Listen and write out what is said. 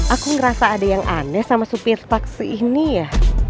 aku ngerasa ada yang aneh sama supir taksi ini ya